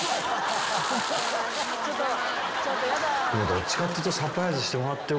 どっちかっていうと。